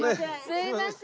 すいません。